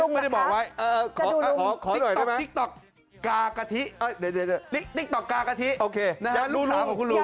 ไม่ได้บอกไว้ติ๊กต๊อกกากะทิติ๊กต๊อกกากะทิลูกสาวของคุณลุง